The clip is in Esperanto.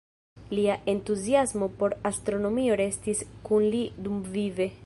Lia entuziasmo por astronomio restis kun li dumvive.